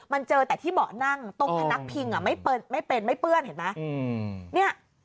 มันเจอแต่ที่เบาะนั่งตรงพนักพิงไม่เป็นไม่เปื้อนเห็นไหม